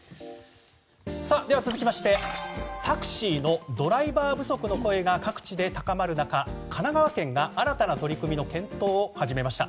では、続きましてタクシーのドライバー不足の声が各地で高まる中神奈川県が新たな取り組みの検討を始めました。